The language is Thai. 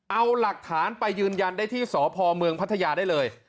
เอาหลักฐานไปยืนยันได้ที่สพเมืองพัทยาได้เลย